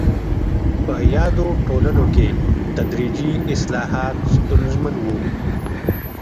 په یادو ټولنو کې تدریجي اصلاحات ستونزمن وو.